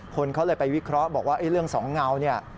คนเขาเลยไปวิเคราะห์บอกว่าเรื่องสองเงาเนี่ย